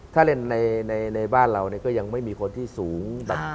ถ้าเล่นในบ้านเราก็ยังไม่มีคนที่สูง